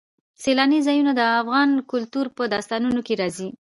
سیلانی ځایونه د افغان کلتور په داستانونو کې راځي.